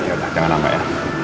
yaudah jangan lambat ya